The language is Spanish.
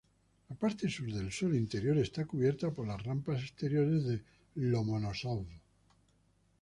La parte sur del suelo interior está cubierta por las rampas exteriores de Lomonosov.